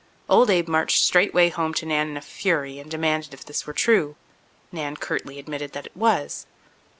Old Abe marched straightway home to Nan in a fury and demanded if this were true. Nan curtly admitted that it was.